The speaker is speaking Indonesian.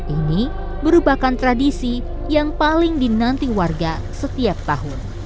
ini merupakan tradisi yang paling dinanti warga setiap tahun